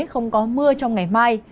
không có mưa trong ngày mai